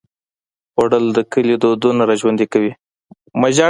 خوړل د کلي دودونه راژوندي کوي